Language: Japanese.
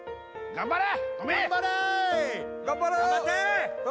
頑張れ！